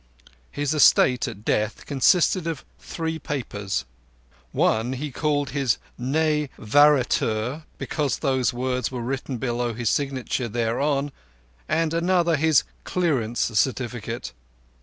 His estate at death consisted of three papers—one he called his "ne varietur" because those words were written below his signature thereon, and another his "clearance certificate".